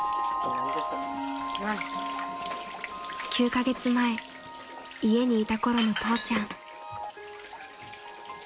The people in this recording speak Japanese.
［９カ月前家にいたころの父ちゃん］